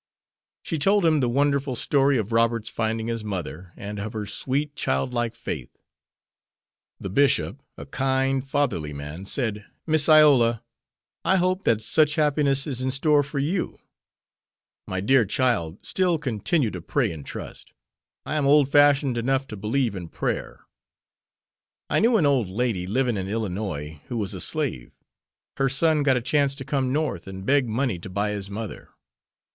She told him the wonderful story of Robert's finding his mother, and of her sweet, childlike faith. The bishop, a kind, fatherly man, said, "Miss Iola, I hope that such happiness is in store for you. My dear child, still continue to pray and trust. I am old fashioned enough to believe in prayer. I knew an old lady living in Illinois, who was a slave. Her son got a chance to come North and beg money to buy his mother.